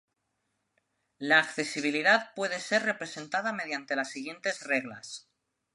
La accesibilidad puede ser representada mediante las siguientes reglas.